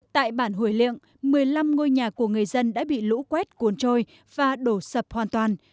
tại bản hủy một mươi năm ngôi nhà của người dân đã bị lũ quét cuốn trôi và đổ sập hoàn toàn